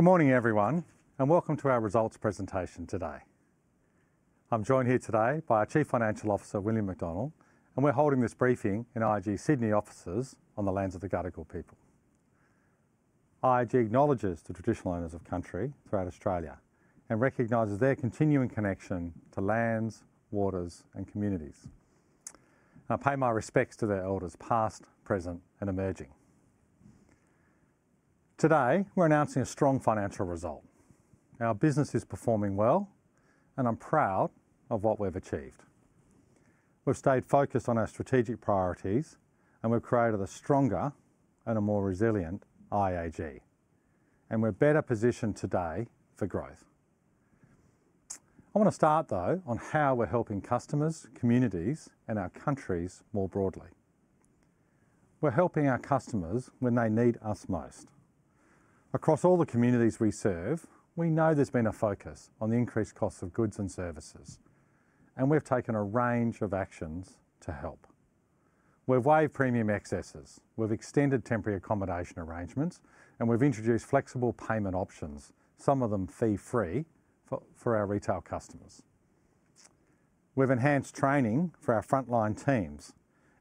Good morning, everyone, and welcome to our results presentation today. I'm joined here today by our Chief Financial Officer, William McDonnell, and we're holding this briefing in IAG's Sydney offices on the lands of the Gadigal people. IAG acknowledges the traditional owners of country throughout Australia and recognizes their continuing connection to lands, waters, and communities. I pay my respects to their elders, past, present, and emerging. Today, we're announcing a strong financial result. Our business is performing well, and I'm proud of what we've achieved. We've stayed focused on our strategic priorities, and we've created a stronger and a more resilient IAG, and we're better positioned today for growth. I want to start, though, on how we're helping customers, communities, and our countries more broadly. We're helping our customers when they need us most. Across all the communities we serve, we know there's been a focus on the increased cost of goods and services, and we've taken a range of actions to help. We've waived premium excesses, we've extended temporary accommodation arrangements, and we've introduced flexible payment options, some of them fee-free, for our retail customers. We've enhanced training for our frontline teams,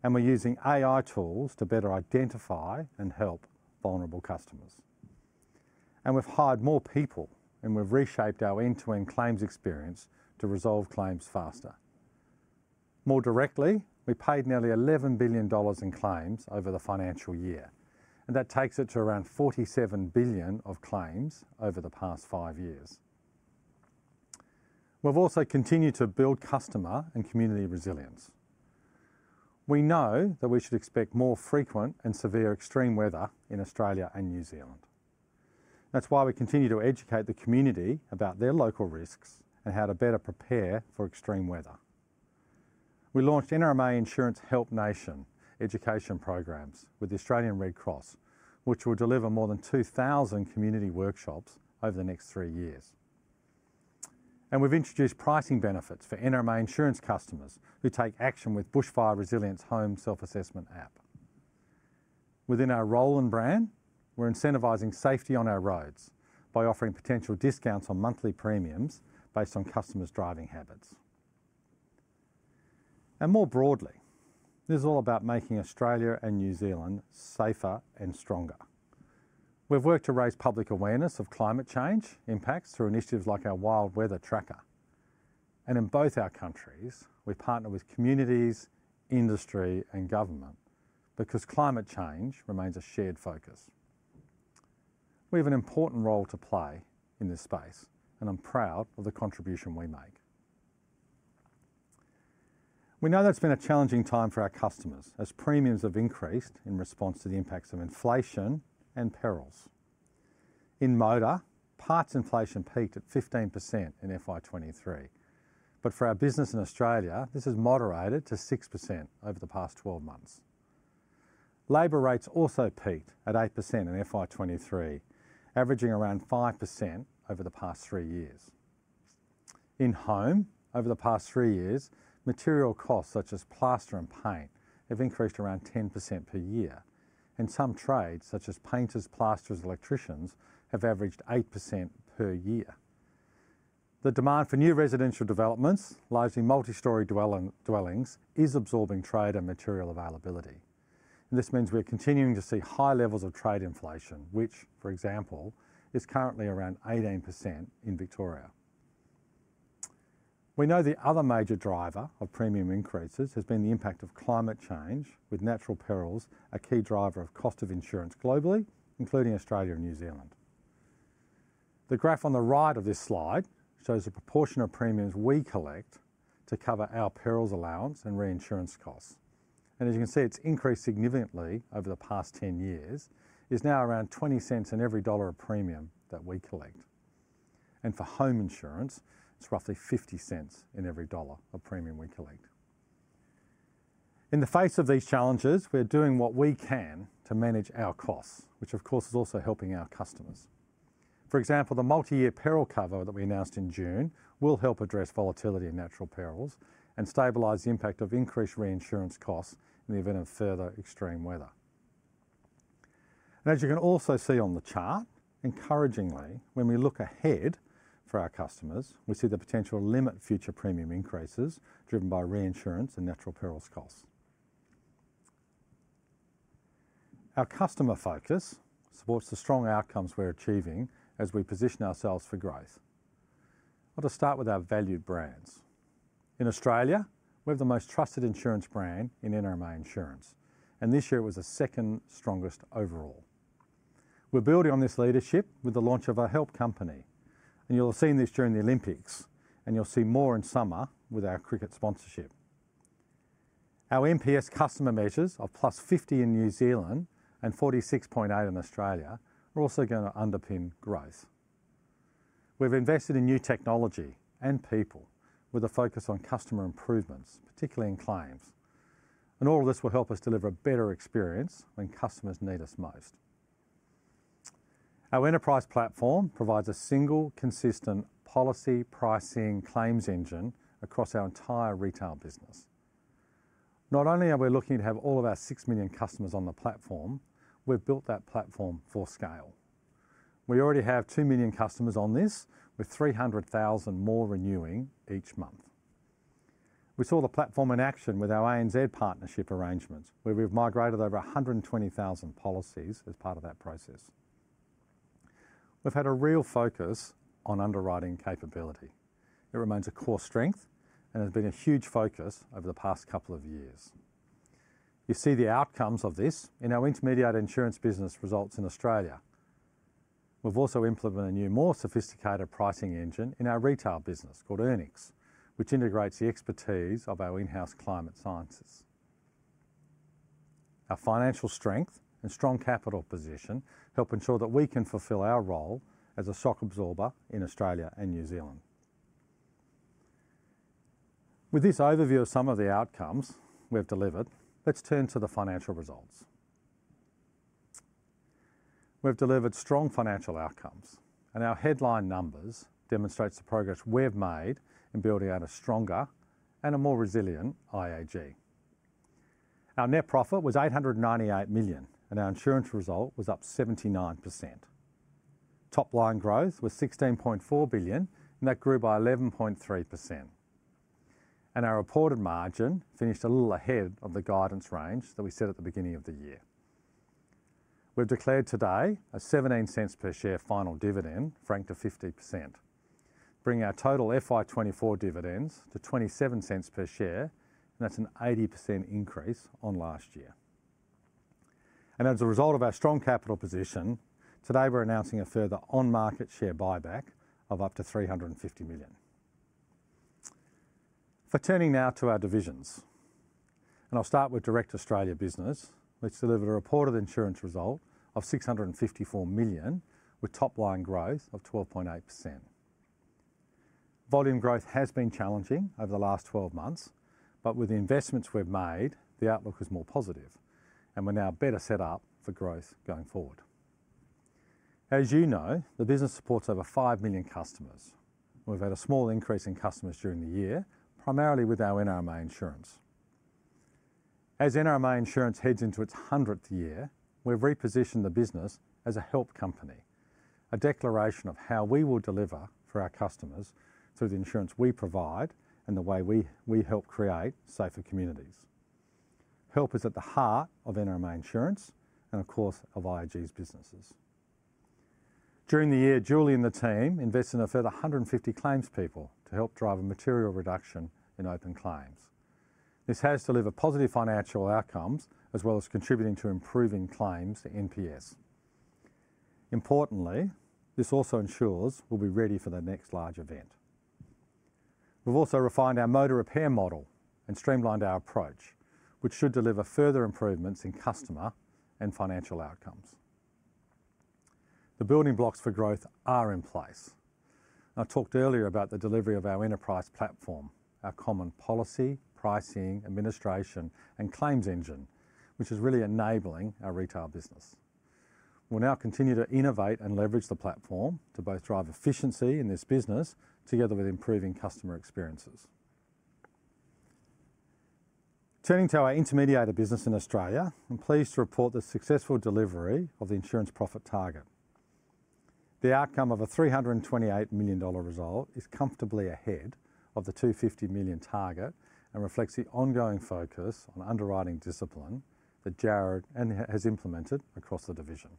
and we're using AI tools to better identify and help vulnerable customers. We've hired more people, and we've reshaped our end-to-end claims experience to resolve claims faster. More directly, we paid nearly $11 billion in claims over the financial year, and that takes it to around $47 billion of claims over the past five years. We've also continued to build customer and community resilience. We know that we should expect more frequent and severe extreme weather in Australia and New Zealand. That's why we continue to educate the community about their local risks and how to better prepare for extreme weather. We launched NRMA Insurance Help Nation education programs with the Australian Red Cross, which will deliver more than 2,000 community workshops over the next three years. We've introduced pricing benefits for NRMA Insurance customers who take action with Bushfire Resilience Home Self-Assessment app. Within our ROLLiN' brand, we're incentivizing safety on our roads by offering potential discounts on monthly premiums based on customers' driving habits. More broadly, this is all about making Australia and New Zealand safer and stronger. We've worked to raise public awareness of climate change impacts through initiatives like our Wild Weather Tracker. In both our countries, we partner with communities, industry, and government because climate change remains a shared focus. We have an important role to play in this space, and I'm proud of the contribution we make. We know that's been a challenging time for our customers as premiums have increased in response to the impacts of inflation and perils. In motor, parts inflation peaked at 15% in FY 2023, but for our business in Australia, this has moderated to 6% over the past 12 months. Labor rates also peaked at 8% in FY 2023, averaging around 5% over the past three years. In home, over the past three years, material costs such as plaster and paint have increased around 10% per year, and some trades, such as painters, plasterers, electricians, have averaged 8% per year. The demand for new residential developments, largely multi-story dwellings, is absorbing trade and material availability. This means we're continuing to see high levels of trade inflation, which, for example, is currently around 18% in Victoria. We know the other major driver of premium increases has been the impact of climate change, with natural perils a key driver of cost of insurance globally, including Australia and New Zealand. The graph on the right of this slide shows the proportion of premiums we collect to cover our perils allowance and reinsurance costs, and as you can see, it's increased significantly over the past 10 years, is now around $0.2 in every dollar of premium that we collect, and for home insurance, it's roughly $0.5 in every dollar of premium we collect. In the face of these challenges, we're doing what we can to manage our costs, which, of course, is also helping our customers. For example, the multi-year peril cover that we announced in June will help address volatility in natural perils and stabilize the impact of increased reinsurance costs in the event of further extreme weather. And as you can also see on the chart, encouragingly, when we look ahead for our customers, we see the potential to limit future premium increases driven by reinsurance and natural perils costs. Our customer focus supports the strong outcomes we're achieving as we position ourselves for growth. I want to start with our valued brands. In Australia, we have the most trusted insurance brand in NRMA Insurance, and this year was the second strongest overall. We're building on this leadership with the launch of our Help Nation, and you'll have seen this during the Olympics, and you'll see more in summer with our cricket sponsorship. Our NPS customer measures of +50 in New Zealand and 46.8 in Australia are also going to underpin growth. We've invested in new technology and people with a focus on customer improvements, particularly in claims, and all of this will help us deliver a better experience when customers need us most. Our Enterprise Platform provides a single, consistent policy pricing claims engine across our entire retail business. Not only are we looking to have all of our 6 million customers on the platform, we've built that platform for scale. We already have 2 million customers on this, with 300,000 more renewing each month. We saw the platform in action with our ANZ partnership arrangements, where we've migrated over 120,000 policies as part of that process. We've had a real focus on underwriting capability. It remains a core strength and has been a huge focus over the past couple of years. You see the outcomes of this in our intermediated insurance business results in Australia. We've also implemented a new, more sophisticated pricing engine in our retail business, called Earnix, which integrates the expertise of our in-house climate scientists. Our financial strength and strong capital position help ensure that we can fulfill our role as a shock absorber in Australia and New Zealand. With this overview of some of the outcomes we've delivered, let's turn to the financial results. We've delivered strong financial outcomes, and our headline numbers demonstrates the progress we've made in building out a stronger and a more resilient IAG. Our net profit was $898 million, and our insurance result was up 79%. Top line growth was $16.4 billion, and that grew by 11.3%. And our reported margin finished a little ahead of the guidance range that we set at the beginning of the year. We've declared today a 0.17 per share final dividend, franked to 50%, bringing our total FY 2024 dividends to 0.27 per share, and that's an 80% increase on last year. And as a result of our strong capital position, today we're announcing a further on-market share buyback of up to 350 million. Now turning now to our divisions, and I'll start with Direct Australia business, which delivered a reported insurance result of 654 million, with top-line growth of 12.8%. Volume growth has been challenging over the last 12 months, but with the investments we've made, the outlook is more positive and we're now better set up for growth going forward. As you know, the business supports over 5 million customers. We've had a small increase in customers during the year, primarily with our NRMA Insurance. As NRMA Insurance heads into its 100th year, we've repositioned the business as a help company, a declaration of how we will deliver for our customers through the insurance we provide and the way we help create safer communities. Help is at the heart of NRMA Insurance and, of course, of IAG's businesses. During the year, Julie and the team invested in a further 150 claims people to help drive a material reduction in open claims. This has delivered positive financial outcomes as well as contributing to improving claims to NPS. Importantly, this also ensures we'll be ready for the next large event. We've also refined our motor repair model and streamlined our approach, which should deliver further improvements in customer and financial outcomes. The building blocks for growth are in place. I talked earlier about the delivery of our Enterprise Platform, our common policy, pricing, administration, and claims engine, which is really enabling our retail business. We'll now continue to innovate and leverage the platform to both drive efficiency in this business together with improving customer experiences. Turning to our intermediated business in Australia, I'm pleased to report the successful delivery of the insurance profit target. The outcome of an 328 million dollar result is comfortably ahead of the 250 million target and reflects the ongoing focus on underwriting discipline that Jarrod has implemented across the division.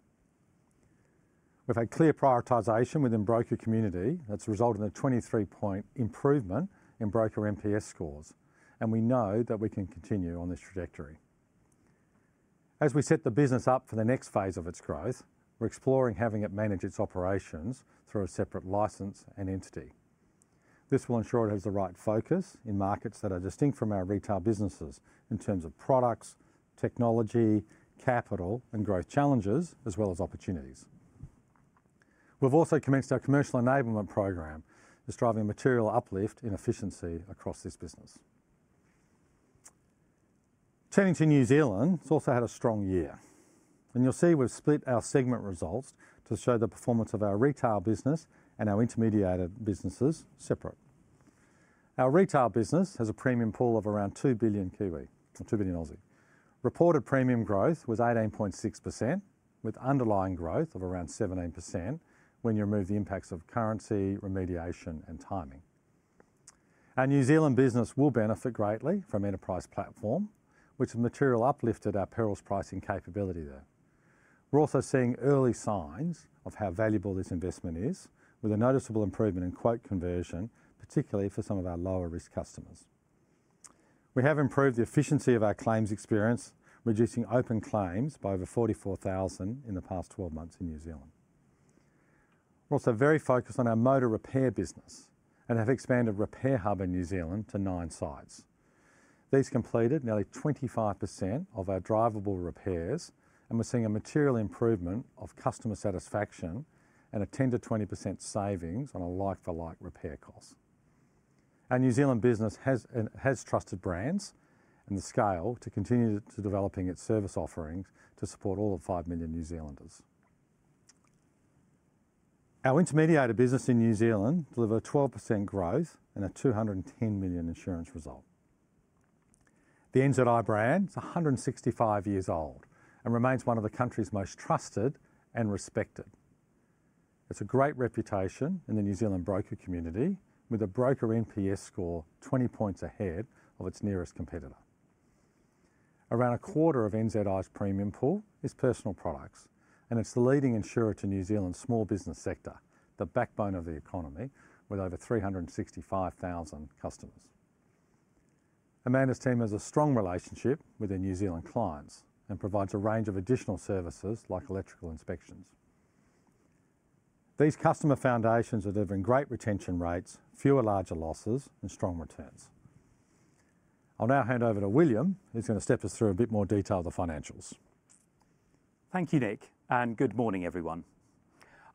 We've had clear prioritization within broker community that's resulted in a 23-point improvement in broker NPS scores, and we know that we can continue on this trajectory. As we set the business up for the next phase of its growth, we're exploring having it manage its operations through a separate license and entity. This will ensure it has the right focus in markets that are distinct from our retail businesses in terms of products, technology, capital, and growth challenges, as well as opportunities. We've also commenced our commercial enablement program, which is driving material uplift in efficiency across this business. Turning to New Zealand, it's also had a strong year, and you'll see we've split our segment results to show the performance of our retail business and our intermediated businesses separate. Our retail business has a premium pool of around 2 billion, or 2 billion. Reported premium growth was 18.6%, with underlying growth of around 17% when you remove the impacts of currency, remediation, and timing. Our New Zealand business will benefit greatly from Enterprise Platform, which material uplifted our perils pricing capability there. We're also seeing early signs of how valuable this investment is, with a noticeable improvement in quote conversion, particularly for some of our lower-risk customers. We have improved the efficiency of our claims experience, reducing open claims by over 44,000 in the past 12 months in New Zealand. We're also very focused on our motor repair business and have expanded Repairhub in New Zealand to nine sites. These completed nearly 25% of our drivable repairs, and we're seeing a material improvement of customer satisfaction and a 10%-20% savings on a like-for-like repair cost. Our New Zealand business has trusted brands and the scale to continue to developing its service offerings to support all the 5 million New Zealanders.... Our intermediated business in New Zealand delivered a 12% growth and a 210 million insurance result. The NZI brand is 165 years old and remains one of the country's most trusted and respected. It's a great reputation in the New Zealand broker community, with a broker NPS score 20 points ahead of its nearest competitor. Around a quarter of NZI's premium pool is personal products, and it's the leading insurer to New Zealand's small business sector, the backbone of the economy, with over 365,000 customers. Amanda's team has a strong relationship with their New Zealand clients and provides a range of additional services like electrical inspections. These customer foundations are delivering great retention rates, fewer larger losses, and strong returns. I'll now hand over to William, who's going to step us through a bit more detail of the financials. Thank you, Nick, and good morning, everyone.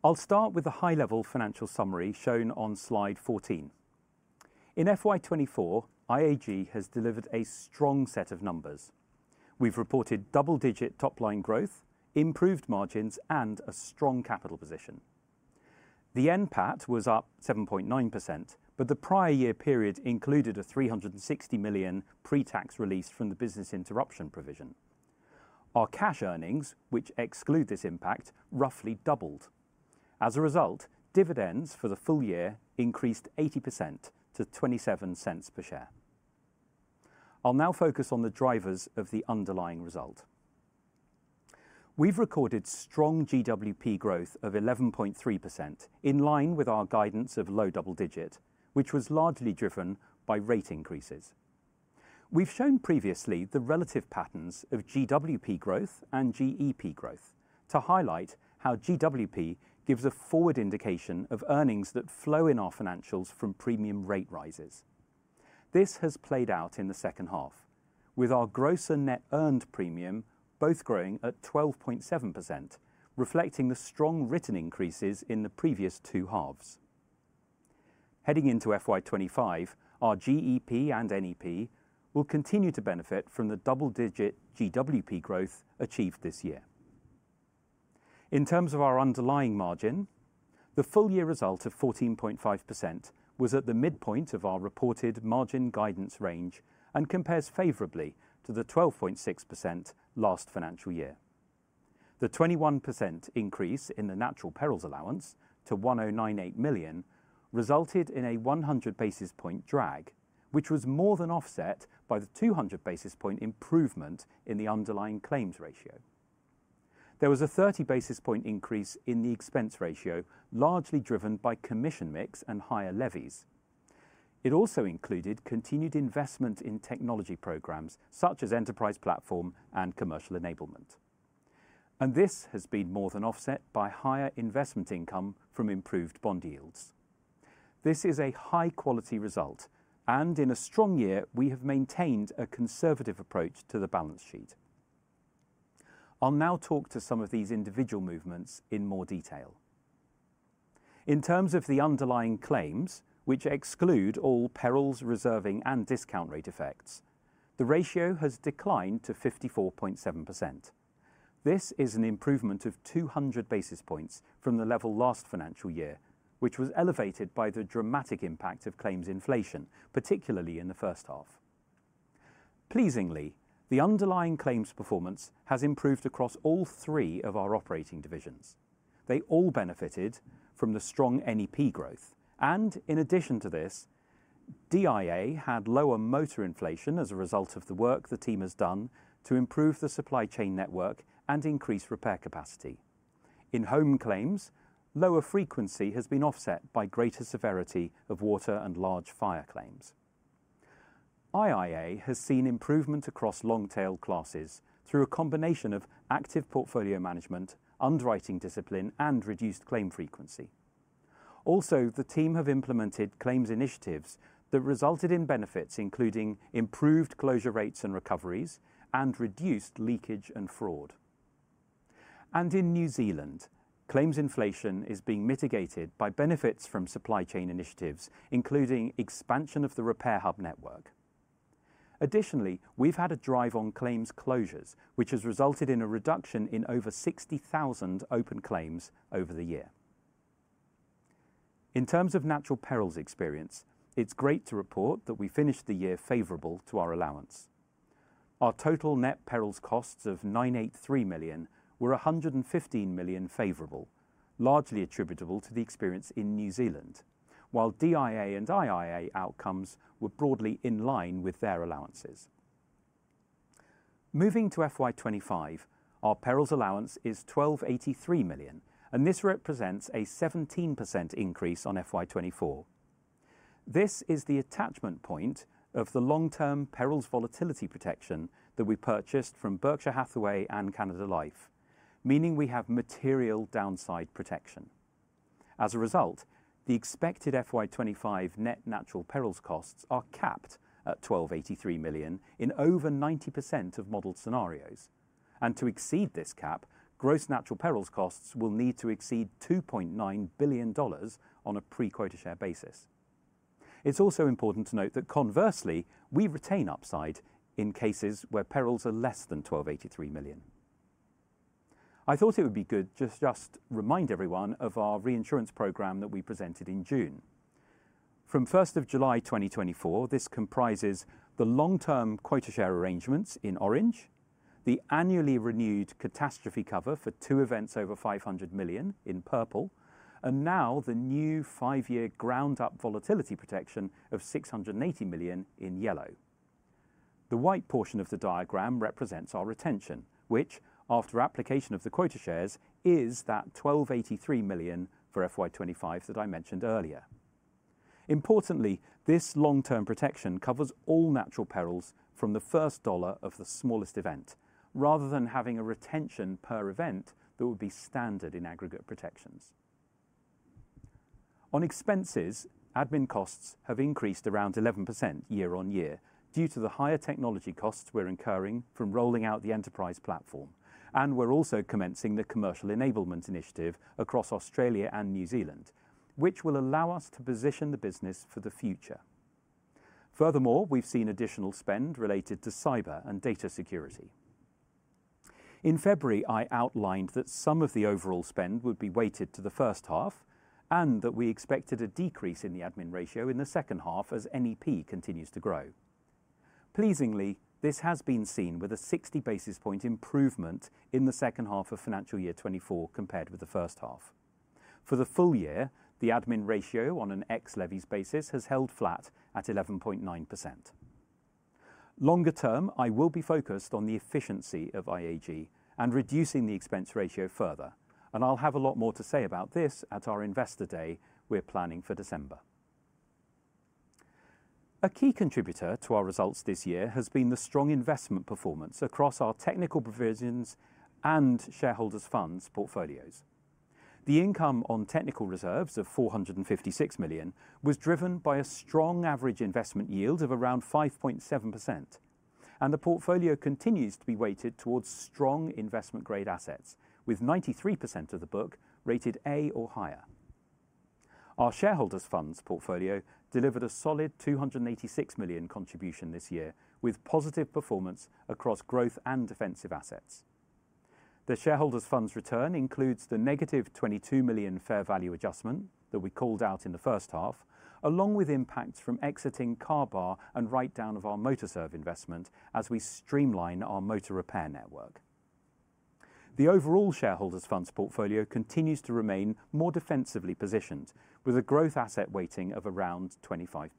I'll start with a high-level financial summary shown on slide 14. In FY 2024, IAG has delivered a strong set of numbers. We've reported double-digit top-line growth, improved margins, and a strong capital position. The NPAT was up 7.9%, but the prior year period included a 360 million pre-tax release from the business interruption provision. Our cash earnings, which exclude this impact, roughly doubled. As a result, dividends for the full year increased 80% to 0.27 per share. I'll now focus on the drivers of the underlying result. We've recorded strong GWP growth of 11.3%, in line with our guidance of low double digit, which was largely driven by rate increases. We've shown previously the relative patterns of GWP growth and GEP growth to highlight how GWP gives a forward indication of earnings that flow in our financials from premium rate rises. This has played out in the second half, with our gross and net earned premium both growing at 12.7%, reflecting the strong written increases in the previous two halves. Heading into FY 2025, our GEP and NEP will continue to benefit from the double-digit GWP growth achieved this year. In terms of our underlying margin, the full year result of 14.5% was at the midpoint of our reported margin guidance range and compares favorably to the 12.6% last financial year. The 21% increase in the natural perils allowance to 1,098 million resulted in a 100 basis points drag, which was more than offset by the 200 basis points improvement in the underlying claims ratio. There was a 30 basis points increase in the expense ratio, largely driven by commission mix and higher levies. It also included continued investment in technology programs such as enterprise platform and commercial enablement, and this has been more than offset by higher investment income from improved bond yields. This is a high-quality result, and in a strong year, we have maintained a conservative approach to the balance sheet. I'll now talk to some of these individual movements in more detail. In terms of the underlying claims, which exclude all perils, reserving, and discount rate effects, the ratio has declined to 54.7%. This is an improvement of 200 basis points from the level last financial year, which was elevated by the dramatic impact of claims inflation, particularly in the first half. Pleasingly, the underlying claims performance has improved across all three of our operating divisions. They all benefited from the strong NEP growth, and in addition to this, DIA had lower motor inflation as a result of the work the team has done to improve the supply chain network and increase repair capacity. In home claims, lower frequency has been offset by greater severity of water and large fire claims. IIA has seen improvement across long-tail classes through a combination of active portfolio management, underwriting discipline, and reduced claim frequency. Also, the team have implemented claims initiatives that resulted in benefits, including improved closure rates and recoveries and reduced leakage and fraud. In New Zealand, claims inflation is being mitigated by benefits from supply chain initiatives, including expansion of the Repairhub As a result, the expected FY 2025 net natural perils costs are capped at AUD 1,283 million in over 90% of modeled scenarios, and to exceed this cap, gross natural perils costs will need to exceed 2.9 billion dollars on a pre-quota share basis. It's also important to note that conversely, we retain upside in cases where perils are less than 1,283 million. I thought it would be good to just remind everyone of our reinsurance program that we presented in June. From 1st July 2024, this comprises the long-term quota share arrangements in orange, the annually renewed catastrophe cover for two events over 500 million in purple, and now the new five-year ground-up volatility protection of 680 million in yellow. The white portion of the diagram represents our retention, which, after application of the quota shares, is that 1,283 million for FY 2025 that I mentioned earlier. Importantly, this long-term protection covers all natural perils from the first dollar of the smallest event, rather than having a retention per event that would be standard in aggregate protections. On expenses, admin costs have increased around 11% year on year due to the higher technology costs we're incurring from rolling out the Enterprise Platform, and we're also commencing the commercial enablement initiative across Australia and New Zealand, which will allow us to position the business for the future. Furthermore, we've seen additional spend related to cyber and data security. In February, I outlined that some of the overall spend would be weighted to the first half and that we expected a decrease in the admin ratio in the second half as NEP continues to grow. Pleasingly, this has been seen with a 60 basis point improvement in the second half of financial year 2024 compared with the first half. For the full year, the admin ratio on an ex-levies basis has held flat at 11.9%. Longer term, I will be focused on the efficiency of IAG and reducing the expense ratio further, and I'll have a lot more to say about this at our investor day we're planning for December. A key contributor to our results this year has been the strong investment performance across our technical provisions and shareholders' funds portfolios. The income on technical reserves of 456 million was driven by a strong average investment yield of around 5.7%, and the portfolio continues to be weighted towards strong investment-grade assets, with 93% of the book rated A or higher. Our shareholders' funds portfolio delivered a solid 286 million contribution this year, with positive performance across growth and defensive assets. The shareholders' funds return includes the negative 22 million fair value adjustment that we called out in the first half, along with impacts from exiting Carbar and write-down of our Motorserve investment as we streamline our motor repair network. The overall shareholders' funds portfolio continues to remain more defensively positioned, with a growth asset weighting of around 25%.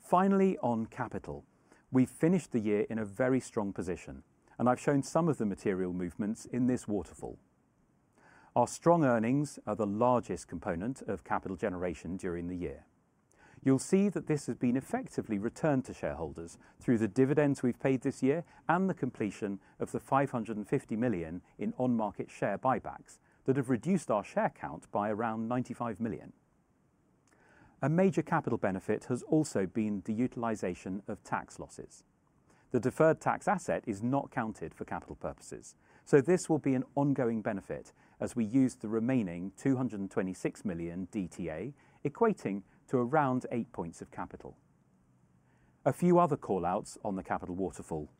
Finally, on capital, we finished the year in a very strong position, and I've shown some of the material movements in this waterfall. Our strong earnings are the largest component of capital generation during the year. You'll see that this has been effectively returned to shareholders through the dividends we've paid this year and the completion of 550 million in on-market share buybacks that have reduced our share count by around 95 million. A major capital benefit has also been the utilization of tax losses. The deferred tax asset is not counted for capital purposes, so this will be an ongoing benefit as we use the remaining 226 million DTA, equating to around 8-points of capital. A few other call-outs on the capital waterfall.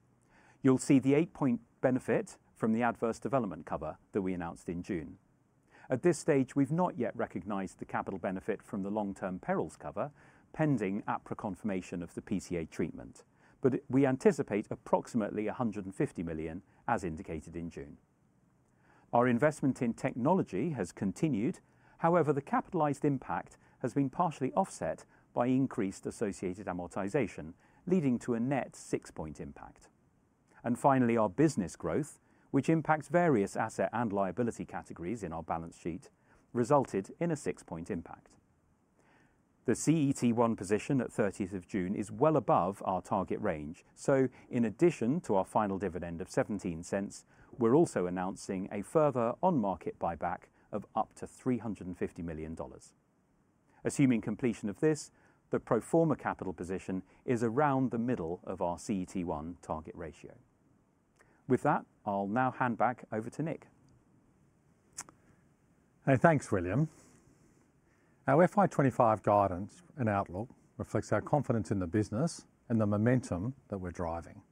You'll see the 8-point benefit from the Adverse Development Cover that we announced in June. At this stage, we've not yet recognized the capital benefit from the long-term perils cover, pending APRA confirmation of the PCA treatment, but we anticipate approximately 150 million, as indicated in June. Our investment in technology has continued. However, the capitalized impact has been partially offset by increased associated amortization, leading to a net 6-point impact. And finally, our business growth, which impacts various asset and liability categories in our balance sheet, resulted in a 6-point impact. The CET1 position at thirtieth of June is well above our target range. So in addition to our final dividend of 0.17, we're also announcing a further on-market buyback of up to 350 million dollars. Assuming completion of this, the pro forma capital position is around the middle of our CET one target ratio. With that, I'll now hand back over to Nick. Hey, thanks, William. Our FY 2025 guidance and outlook reflects our confidence in the business and the momentum that we're driving.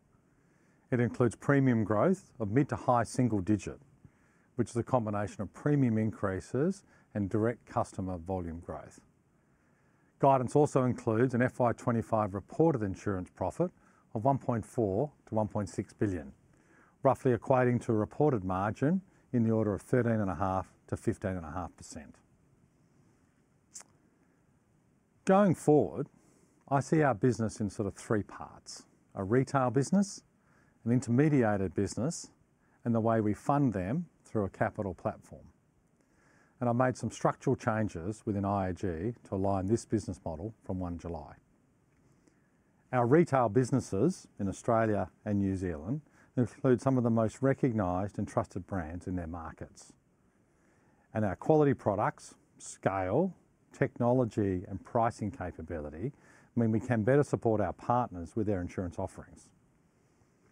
It includes premium growth of mid- to high-single-digit, which is a combination of premium increases and direct customer volume growth. Guidance also includes an FY 2025 reported insurance profit of 1.4 billion-1.6 billion, roughly equating to a reported margin in the order of 13.5%-15.5%. Going forward, I see our business in sort of three parts: a retail business, an intermediated business, and the way we fund them through a capital platform. I made some structural changes within IAG to align this business model from 1st July. Our retail businesses in Australia and New Zealand include some of the most recognized and trusted brands in their markets. Our quality products, scale, technology, and pricing capability mean we can better support our partners with their insurance offerings.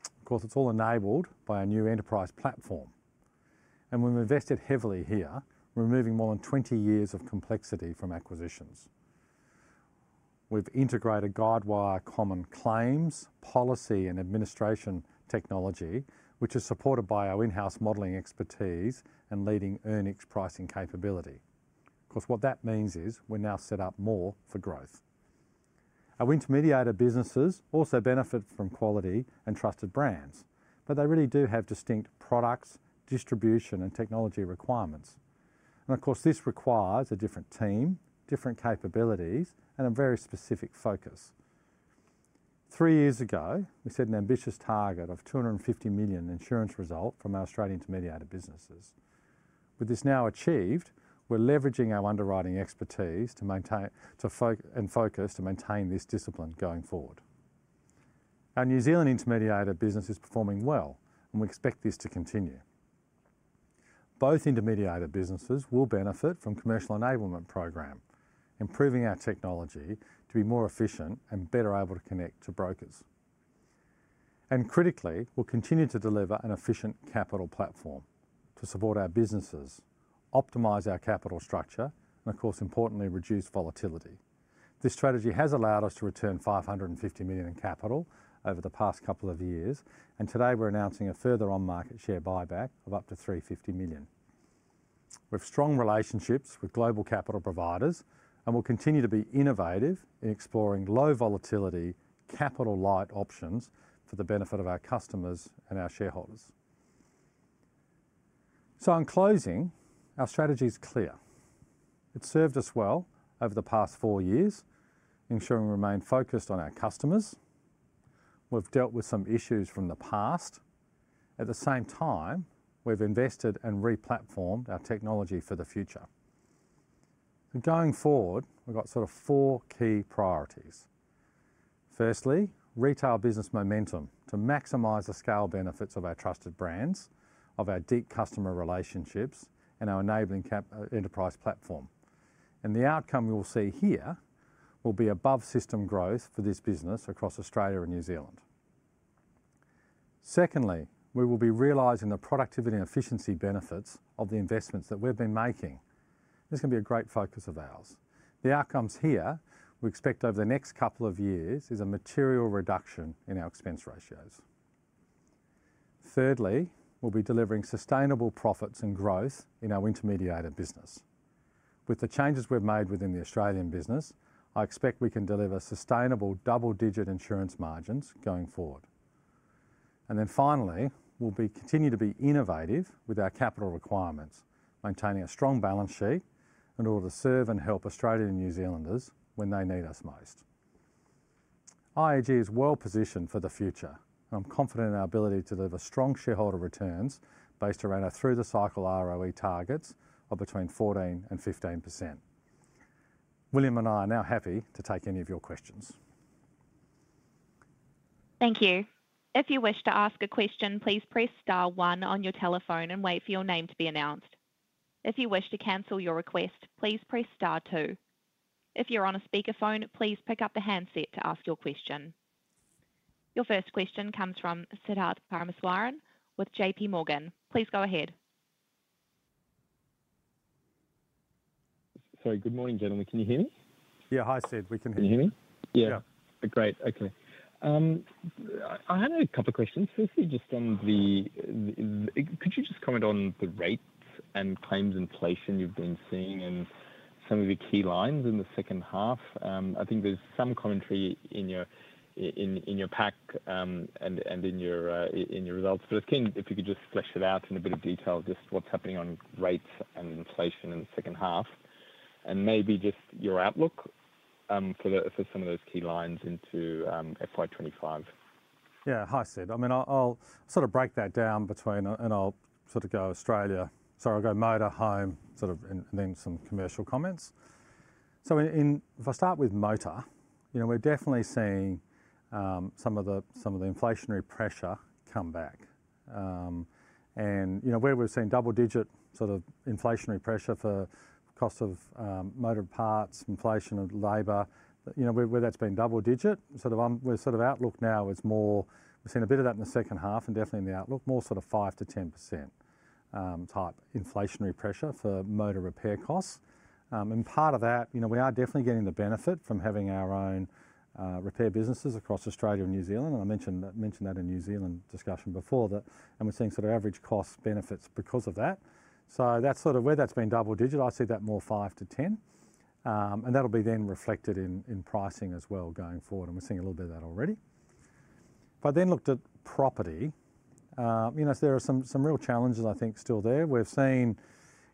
Of course, it's all enabled by our new enterprise platform, and we've invested heavily here, removing more than 20 years of complexity from acquisitions. We've integrated Guidewire common claims, policy, and administration technology, which is supported by our in-house modeling expertise and leading Earnix pricing capability. Of course, what that means is we're now set up more for growth. Our intermediated businesses also benefit from quality and trusted brands, but they really do have distinct products, distribution, and technology requirements. And of course, this requires a different team, different capabilities, and a very specific focus. Three years ago, we set an ambitious target of 250 million insurance result from our Australian intermediated businesses. With this now achieved, we're leveraging our underwriting expertise to maintain, and focus to maintain this discipline going forward. Our New Zealand intermediated business is performing well, and we expect this to continue. Both intermediated businesses will benefit from commercial enablement program, improving our technology to be more efficient and better able to connect to brokers. And critically, we'll continue to deliver an efficient capital platform to support our businesses, optimize our capital structure, and of course, importantly, reduce volatility. This strategy has allowed us to return 550 million in capital over the past couple of years, and today we're announcing a further on-market share buyback of up to 350 million. We have strong relationships with global capital providers, and we'll continue to be innovative in exploring low volatility, capital-light options for the benefit of our customers and our shareholders. So in closing, our strategy is clear. It served us well over the past four years, ensuring we remain focused on our customers. We've dealt with some issues from the past. At the same time, we've invested and re-platformed our technology for the future. And going forward, we've got sort of four key priorities. Firstly, retail business momentum to maximize the scale benefits of our trusted brands, of our deep customer relationships, and our enabling capability Enterprise Platform. And the outcome we'll see here will be above system growth for this business across Australia and New Zealand. Secondly, we will be realizing the productivity and efficiency benefits of the investments that we've been making. This is gonna be a great focus of ours. The outcomes here, we expect over the next couple of years, is a material reduction in our expense ratios. Thirdly, we'll be delivering sustainable profits and growth in our intermediated business. With the changes we've made within the Australian business, I expect we can deliver sustainable double-digit insurance margins going forward. And then finally, we'll continue to be innovative with our capital requirements, maintaining a strong balance sheet in order to serve and help Australian and New Zealanders when they need us most. IAG is well positioned for the future, and I'm confident in our ability to deliver strong shareholder returns based around our through-the-cycle ROE targets of between 14% and 15%. William and I are now happy to take any of your questions. Thank you. If you wish to ask a question, please press star one on your telephone and wait for your name to be announced. If you wish to cancel your request, please press star two. If you're on a speakerphone, please pick up the handset to ask your question. Your first question comes from Siddharth Parameswaran with JP Morgan. Please go ahead. Sorry. Good morning, gentlemen. Can you hear me? Yeah. Hi, Sid. We can hear you. Can you hear me? Yeah. Yeah. Great. Okay. I had a couple of questions. Firstly, just on the... Could you just comment on the rates and claims inflation you've been seeing and some of the key lines in the second half? I think there's some commentary in your pack and in your results. But I was keen if you could just flesh it out in a bit of detail, just what's happening on rates and inflation in the second half, and maybe just your outlook for some of those key lines into FY 2025. Yeah. Hi, Sid. I mean, I'll sort of break that down between and, and I'll sort of go Australia. So I'll go motor, home, sort of, and then some commercial comments. So if I start with motor, you know, we're definitely seeing some of the inflationary pressure come back. And, you know, where we've seen double digit sort of inflationary pressure for cost of motor parts, inflation of labor, you know, where that's been double digit, sort of, our outlook now is more. We've seen a bit of that in the second half and definitely in the outlook, more sort of 5%-10% type inflationary pressure for motor repair costs. And part of that, you know, we are definitely getting the benefit from having our own repair businesses across Australia and New Zealand, and I mentioned that in New Zealand discussion before that, and we're seeing sort of average cost benefits because of that. So that's sort of where that's been double digit. I see that more 5%-10%, and that'll be then reflected in pricing as well going forward, and we're seeing a little bit of that already. If I then looked at property, you know, there are some real challenges I think still there. We've seen,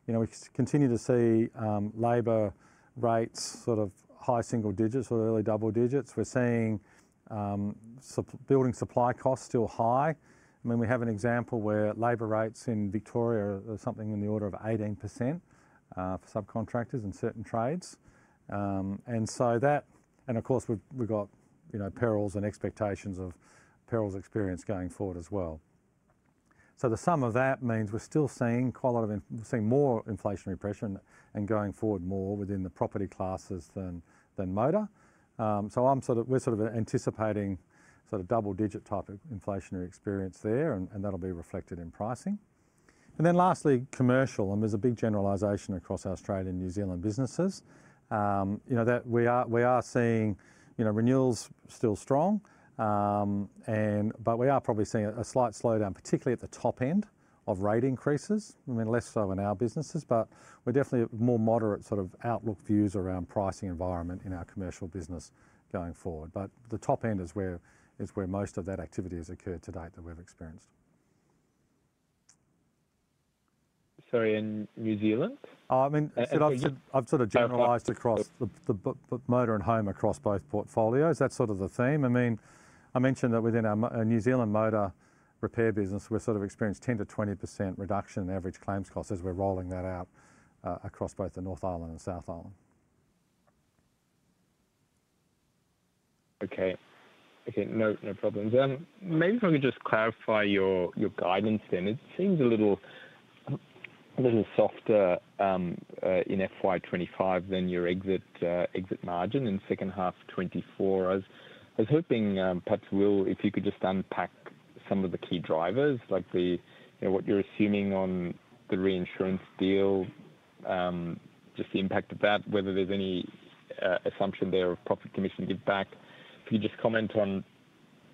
you know, we continue to see labor rates sort of high single digits or early double digits. We're seeing supply building supply costs still high. I mean, we have an example where labor rates in Victoria are something in the order of 18%, for subcontractors in certain trades. And so that, and of course, we've got, you know, perils and expectations of perils experience going forward as well. So the sum of that means we're still seeing more inflationary pressure and going forward more within the property classes than motor. So we're sort of anticipating sort of double digit type of inflationary experience there, and that'll be reflected in pricing. Then lastly, commercial, and there's a big generalization across Australia and New Zealand businesses. You know, we are seeing, you know, renewals still strong, but we are probably seeing a slight slowdown, particularly at the top end of rate increases. I mean, less so in our businesses, but we're definitely more moderate sort of outlook views around pricing environment in our commercial business going forward. But the top end is where most of that activity has occurred to date that we've experienced. Sorry, in New Zealand? Oh, I mean, I've sort of generalized across the motor and home, across both portfolios. That's sort of the theme. I mean, I mentioned that within our New Zealand motor repair business, we've sort of experienced 10%-20% reduction in average claims costs as we're rolling that out across both the North Island and South Island. Okay. Okay, no, no problems. Maybe if I could just clarify your guidance then. It seems a little softer in FY 2025 than your exit margin in second half 2024. I was hoping, perhaps, Will, if you could just unpack some of the key drivers, like the, you know, what you're assuming on the reinsurance deal, just the impact of that, whether there's any assumption there of profit commission giveback. If you just comment on,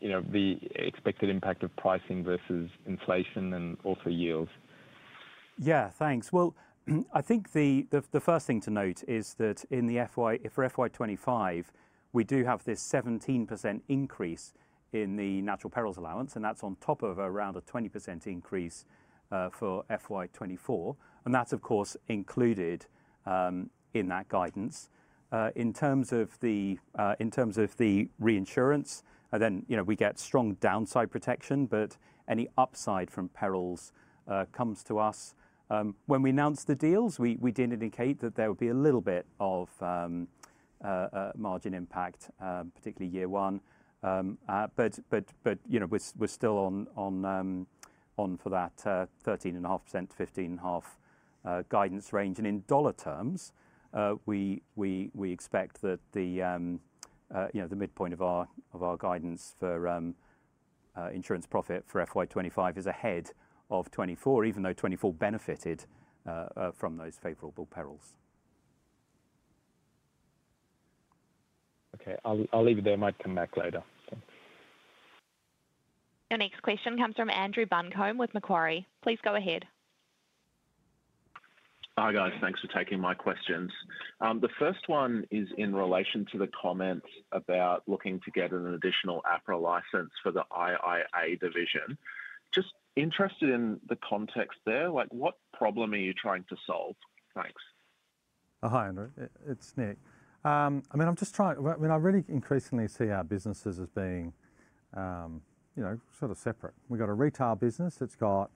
you know, the expected impact of pricing versus inflation and also yields. Yeah, thanks. Well, I think the first thing to note is that in the FY 2025, we do have this 17% increase in the natural perils allowance, and that's on top of around a 20% increase for FY 2024, and that's of course included in that guidance. In terms of the reinsurance, then, you know, we get strong downside protection, but any upside from perils comes to us. When we announced the deals, we did indicate that there would be a little bit of a margin impact, particularly year one. But, you know, we're still on for that 13.5%-15.5% guidance range. In dollar terms, we expect that, you know, the midpoint of our guidance for insurance profit for FY 2025 is ahead of 2024, even though 2024 benefited from those favorable perils. Okay, I'll leave it there. Might come back later. Your next question comes from Andrew Buncombe with Macquarie. Please go ahead. Hi, guys. Thanks for taking my questions. The first one is in relation to the comments about looking to get an additional APRA license for the IIA division. Just interested in the context there. Like, what problem are you trying to solve? Thanks. Oh, hi, Andrew, it's Nick. I mean, I really increasingly see our businesses as being, you know, sort of separate. We've got a retail business that's got,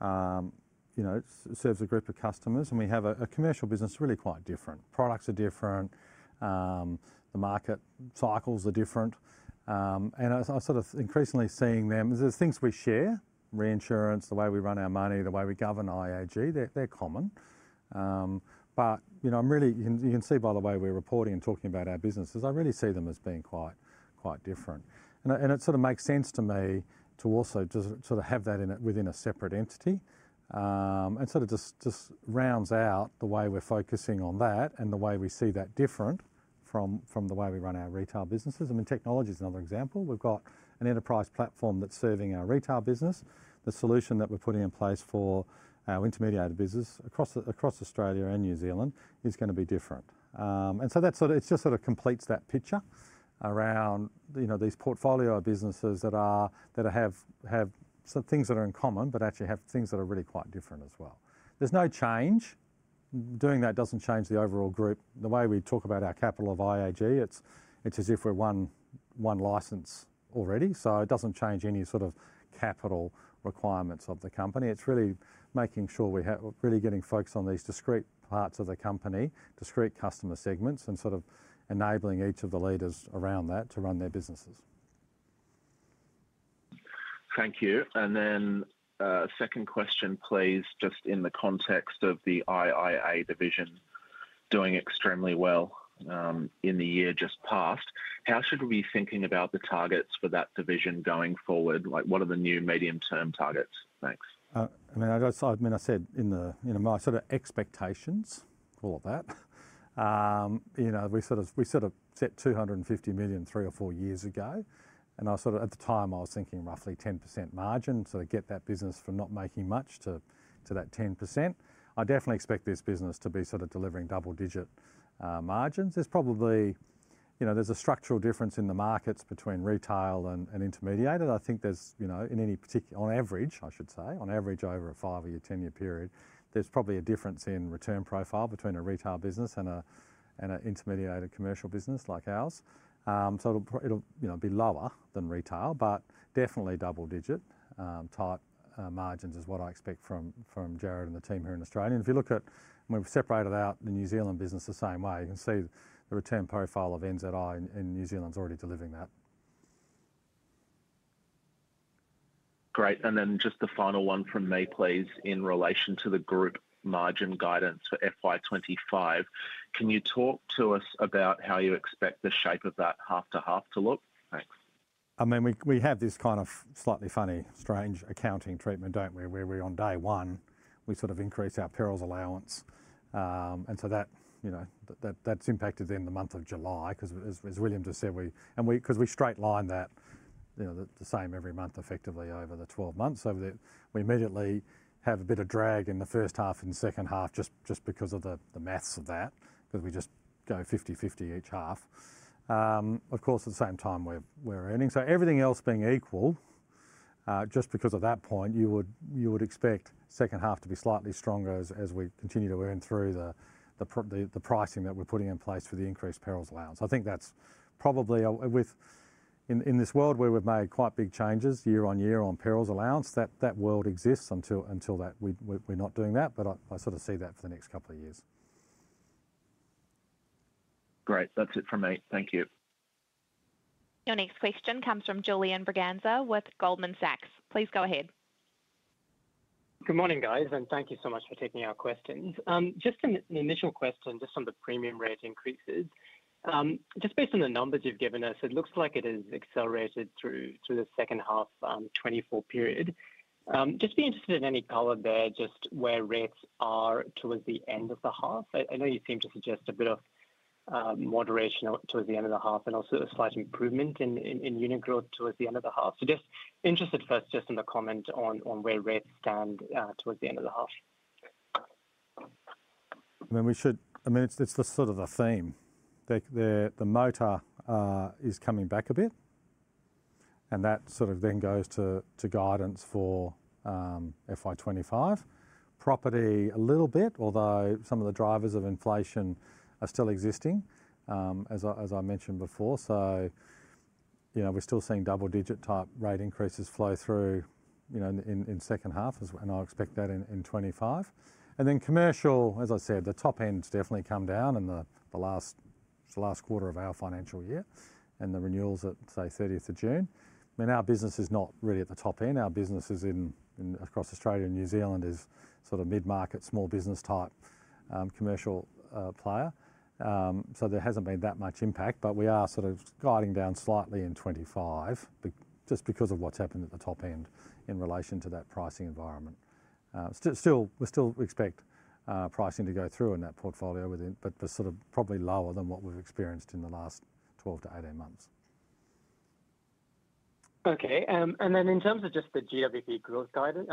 you know, serves a group of customers, and we have a commercial business, really quite different. Products are different, the market cycles are different, and I sort of increasingly seeing them as there's things we share, reinsurance, the way we run our money, the way we govern IAG, they're common. But, you know, you can see by the way we're reporting and talking about our businesses, I really see them as being quite different. And it sort of makes sense to me to also just sort of have that within a separate entity. And sort of just rounds out the way we're focusing on that and the way we see that different from the way we run our retail businesses. I mean, technology is another example. We've got an enterprise platform that's serving our retail business. The solution that we're putting in place for our intermediated business across Australia and New Zealand is going to be different. And so that sort of, it's just sort of completes that picture around, you know, these portfolio of businesses that are that have some things that are in common, but actually have things that are really quite different as well. There's no change. Doing that doesn't change the overall group. The way we talk about our capital of IAG, it's as if we're one license already, so it doesn't change any sort of capital requirements of the company. It's really making sure we have... we're really getting focus on these discrete parts of the company, discrete customer segments, and sort of enabling each of the leaders around that to run their businesses. Thank you. And then, second question, please. Just in the context of the IIA division doing extremely well, in the year just past, how should we be thinking about the targets for that division going forward? Like, what are the new medium-term targets? Thanks. I mean, I guess, I mean, I said in the, you know, my sort of expectations for that, you know, we sort of set 250 million, three or four years ago, and I sort of at the time I was thinking roughly 10% margin. So get that business from not making much to that 10%. I definitely expect this business to be sort of delivering double-digit margins. There's probably, you know, a structural difference in the markets between retail and intermediated. I think there's, you know, on average, I should say, over a 5-year, 10-year period, there's probably a difference in return profile between a retail business and a intermediated commercial business like ours. So it'll, you know, be lower than retail, but definitely double digit type margins is what I expect from Jared and the team here in Australia. And if you look at when we've separated out the New Zealand business the same way, you can see the return profile of NZI in New Zealand is already delivering that.... Great! And then just the final one from me, please, in relation to the group margin guidance for FY 2025. Can you talk to us about how you expect the shape of that half to half to look? Thanks. I mean, we have this kind of slightly funny, strange accounting treatment, don't we? Where we on day one, we sort of increase our perils allowance. And so that, you know, that's impacted in the month of July, 'cause as William just said, we straight line that, you know, the same every month effectively over the 12 months. So we immediately have a bit of drag in the first half and the second half, just because of the maths of that, because we just go 50 /50 each half. Of course, at the same time, we're earning. So everything else being equal, just because of that point, you would expect second half to be slightly stronger as we continue to earn through the pricing that we're putting in place for the increased perils allowance. I think that's probably, in this world where we've made quite big changes year on year on perils allowance, that world exists until we're not doing that, but I sort of see that for the next couple of years. Great. That's it from me. Thank you. Your next question comes from Julian Braganza with Goldman Sachs. Please go ahead. Good morning, guys, and thank you so much for taking our questions. Just an initial question, just on the premium rate increases. Just based on the numbers you've given us, it looks like it has accelerated through the second half, 2024 period. Just be interested in any color there, just where rates are towards the end of the half. I know you seem to suggest a bit of moderation towards the end of the half and also a slight improvement in unit growth towards the end of the half. So just interested first, just in the comment on where rates stand towards the end of the half. I mean, we should, I mean, it's the sort of the theme. The motor is coming back a bit, and that sort of then goes to guidance for FY 2025. Property a little bit, although some of the drivers of inflation are still existing, as I mentioned before. So, you know, we're still seeing double digit type rate increases flow through, you know, in second half, and I expect that in 2025. And then commercial, as I said, the top end's definitely come down in the last quarter of our financial year and the renewals at, say, 30th of June. I mean, our business is not really at the top end. Our business is in, across Australia and New Zealand, is sort of mid-market, small business type commercial player. So there hasn't been that much impact, but we are sort of guiding down slightly in 2025, just because of what's happened at the top end in relation to that pricing environment. Still, we still expect pricing to go through in that portfolio within but the sort of probably lower than what we've experienced in the last 12months-18 months. Okay, and then in terms of just the GWP growth guidance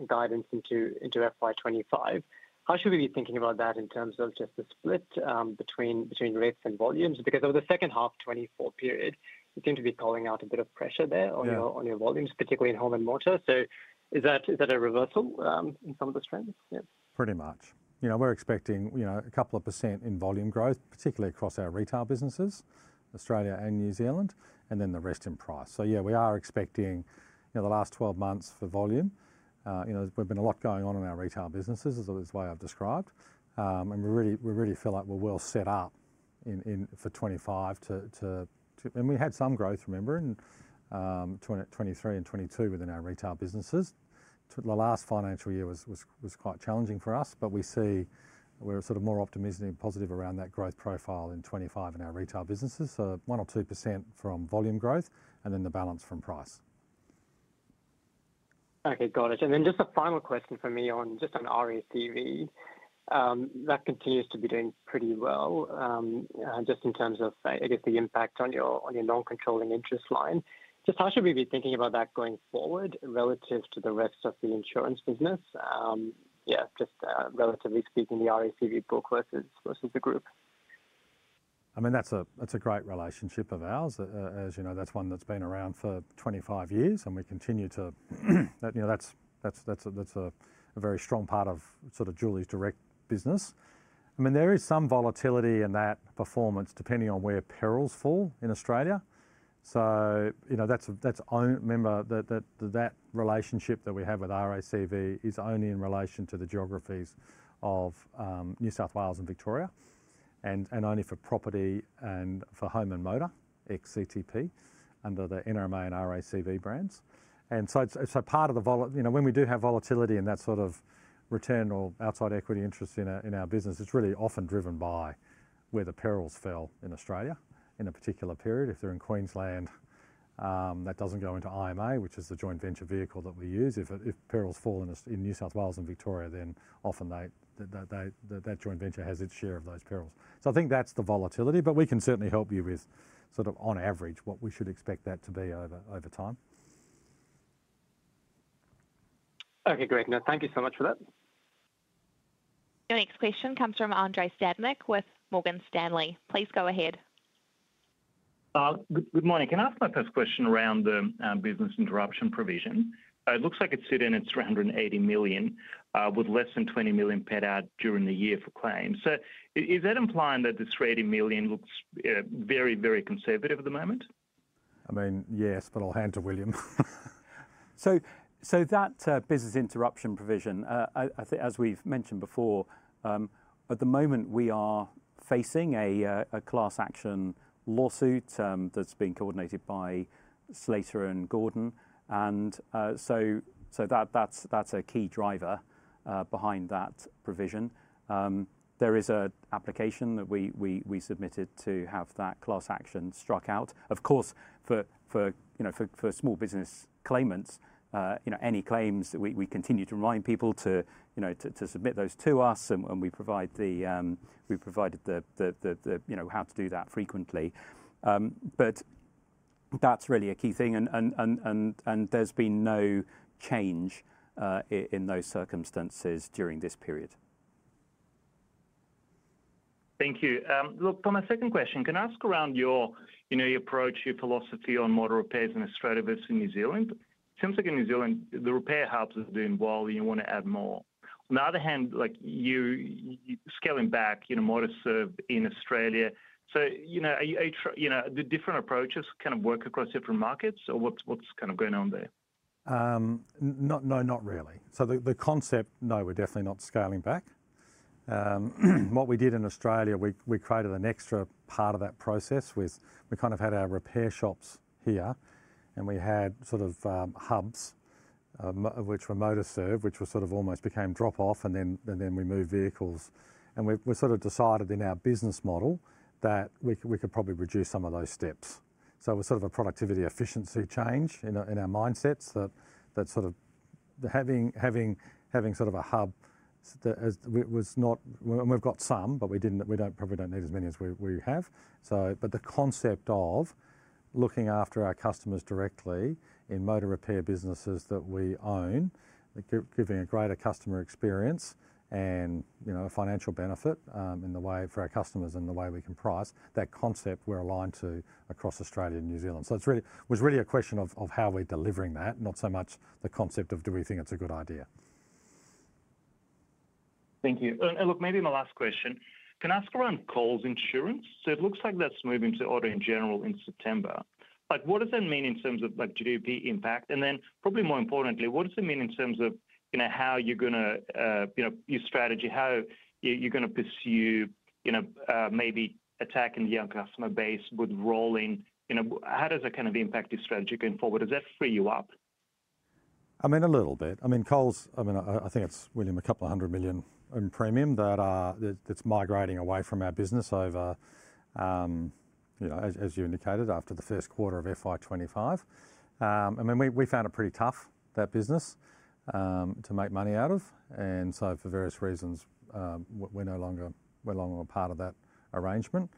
into FY 2025, how should we be thinking about that in terms of just the split between rates and volumes? Because over the second half 2024 period, you seem to be calling out a bit of pressure there- Yeah On your volumes, particularly in home and motor. So is that a reversal in some of those trends? Yeah. Pretty much. You know, we're expecting, you know, a couple of percentage in volume growth, particularly across our retail businesses, Australia and New Zealand, and then the rest in price. So yeah, we are expecting, you know, the last 12 months for volume. You know, there's been a lot going on in our retail businesses, as the way I've described. And we're really. We really feel like we're well set up in, in, for 2025 to, to, to. And we had some growth, remember, in 2023 and 2022 within our retail businesses. The last financial year was quite challenging for us, but we see we're sort of more optimistic and positive around that growth profile in 2025 in our retail businesses. So 1% or 2% from volume growth and then the balance from price. Okay, got it. And then just a final question for me on RACV, that continues to be doing pretty well, just in terms of, I guess, the impact on your non-controlling interest line. Just how should we be thinking about that going forward relative to the rest of the insurance business? Yeah, just, relatively speaking, the RACV book versus the group. I mean, that's a great relationship of ours. As you know, that's one that's been around for 25 years, and we continue to, you know, that's a very strong part of sort of Julie's direct business. I mean, there is some volatility in that performance depending on where perils fall in Australia. So, you know, remember that relationship that we have with RACV is only in relation to the geographies of New South Wales and Victoria, and only for property and for home and motor, ex-CTP, under the NRMA and RACV brands. And so, part of the volatility, you know, when we do have volatility and that sort of return or outside equity interest in our business, it's really often driven by where the perils fell in Australia in a particular period. If they're in Queensland, that doesn't go into IMA, which is the joint venture vehicle that we use. If perils fall in New South Wales and Victoria, then often that joint venture has its share of those perils. So I think that's the volatility, but we can certainly help you with sort of on average, what we should expect that to be over time. Okay, great. No, thank you so much for that. Your next question comes from Andrei Stadnik with Morgan Stanley. Please go ahead. Good morning. Can I ask my first question around the business interruption provision? It looks like it's sitting at 380 million, with less than 20 million paid out during the year for claims. So is that implying that this 380 million looks very, very conservative at the moment?... I mean, yes, but I'll hand to William. So that business interruption provision, I think as we've mentioned before, at the moment we are facing a class action lawsuit that's being coordinated by Slater and Gordon, and so that that's a key driver behind that provision. There is a application that we submitted to have that class action struck out. Of course, for you know, for small business claimants, you know, any claims that we continue to remind people to you know, to submit those to us, and we provide the, we've provided the you know, how to do that frequently. But that's really a key thing, and there's been no change in those circumstances during this period. Thank you. Look, on my second question, can I ask about your, you know, your approach, your philosophy on motor repairs in Australia versus New Zealand? It seems like in New Zealand, the RepairHubs are doing well, and you want to add more. On the other hand, like you scaling back, you know, Motorserve in Australia. So, you know, are you? You know, the different approaches kind of work across different markets, or what's kind of going on there? No, not really. So the concept, no, we're definitely not scaling back. What we did in Australia, we created an extra part of that process with we kind of had our repair shops here, and we had sort of hubs, which were Motorserve, which was sort of almost became drop off, and then we moved vehicles. And we sort of decided in our business model that we could probably reduce some of those steps. So it was sort of a productivity efficiency change in our mindsets that sort of having a hub that was not and we've got some, but we don't probably need as many as we have. So, but the concept of looking after our customers directly in motor repair businesses that we own, giving a greater customer experience and, you know, a financial benefit, in the way for our customers and the way we can price that concept, we're aligned to across Australia and New Zealand. So it's really a question of how we're delivering that, not so much the concept of do we think it's a good idea. Thank you. And look, maybe my last question. Can I ask around Coles Insurance? So it looks like that's moving to Auto & General in September. Like what does that mean in terms of like GWP impact? And then probably more importantly, what does it mean in terms of, you know, how you're gonna, you know, your strategy, how you, you're gonna pursue, you know, maybe attacking the young customer base with ROLLiN', you know, how does that kind of impact your strategy going forward? Does that free you up? I mean, a little bit. I mean, Coles, I mean, I think it's William, a couple of 100 million in premium that's migrating away from our business over, you know, as you indicated, after the first quarter of FY 2025. I mean, we found it pretty tough, that business, to make money out of. And so for various reasons, we're no longer a part of that arrangement.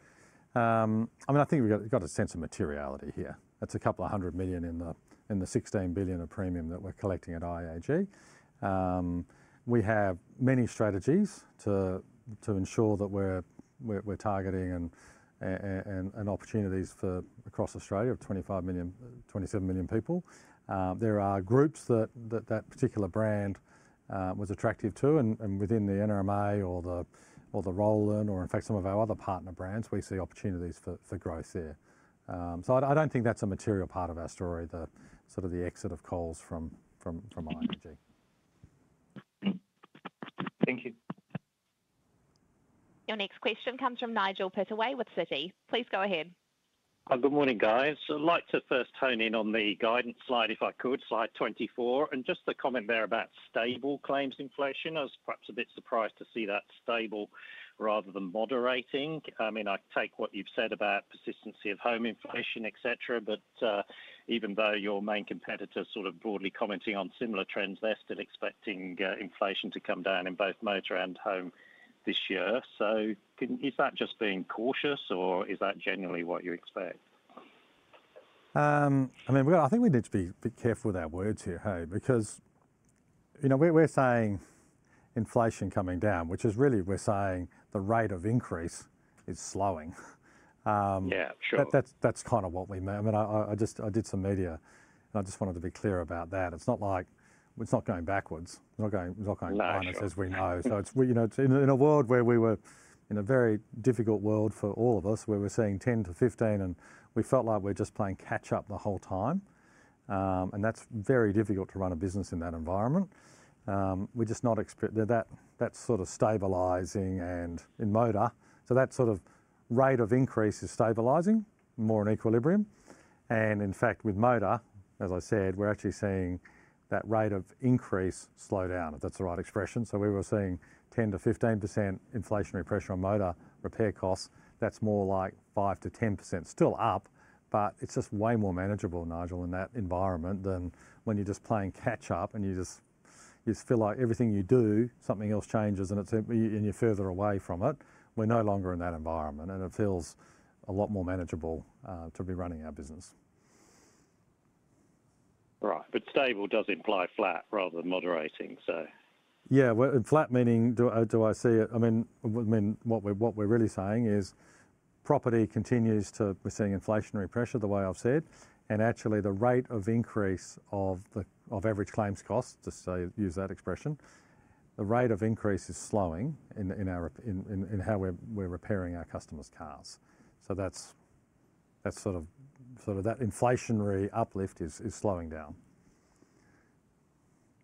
I mean, I think we've got a sense of materiality here. That's a couple of 100 million in the 16 billion of premium that we're collecting at IAG. We have many strategies to ensure that we're targeting and opportunities for across Australia of 25 million, 27 million people. There are groups that particular brand was attractive to, and within the NRMA or the ROLLiN', or in fact some of our other partner brands, we see opportunities for growth there. So I don't think that's a material part of our story, the sort of the exit of Coles from IAG. Thank you. Your next question comes from Nigel Pittaway with Citi. Please go ahead. Good morning, guys. I'd like to first hone in on the guidance slide, if I could, slide 24, and just the comment there about stable claims inflation. I was perhaps a bit surprised to see that stable rather than moderating. I mean, I take what you've said about persistency of home inflation, et cetera, but even though your main competitor sort of broadly commenting on similar trends, they're still expecting inflation to come down in both motor and home this year. So is that just being cautious, or is that generally what you expect? I mean, we got, I think we need to be careful with our words here, heard? Because, you know, we're saying inflation coming down, which is really we're saying the rate of increase is slowing. Yeah, sure. That's kind of what we meant. I mean, I just did some media, and I just wanted to be clear about that. It's not like... It's not going backwards. It's not going minus- No... as we know. So it's, you know, in a world where we were in a very difficult world for all of us, where we're seeing 10-15, and we felt like we're just playing catch up the whole time, and that's very difficult to run a business in that environment. We're just not that, that's sort of stabilizing and in motor. So that sort of rate of increase is stabilizing, more in equilibrium. And in fact, with motor, as I said, we're actually seeing that rate of increase slow down, if that's the right expression. So we were seeing 10%-15% inflationary pressure on motor repair costs. That's more like 5%-10%, still up, but it's just way more manageable, Nigel, in that environment than when you're just playing catch up, and you just, you feel like everything you do, something else changes, and it's, and you're further away from it. We're no longer in that environment, and it feels a lot more manageable to be running our business. Right. But stable does imply flat rather than moderating, so. Yeah, well, flat meaning do I see it. I mean, what we're really saying is property continues to. We're seeing inflationary pressure, the way I've said, and actually the rate of increase of the average claims cost, just so use that expression, the rate of increase is slowing in how we're repairing our customers' cars. So that's sort of that inflationary uplift is slowing down.